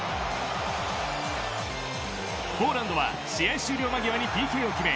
ポーランドは試合終了間際にＰＫを決め